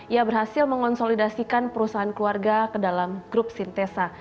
ia berhasil mengonsolidasikan perusahaan keluarga ke dalam grup sintesa